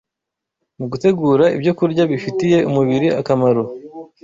mu gutegura ibyokurya bifitiye umubiri akamaro